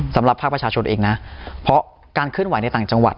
สำหรับภาคประชาชนเองนะเพราะการเคลื่อนไหวในต่างจังหวัด